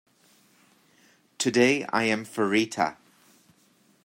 Today I am Fahreta.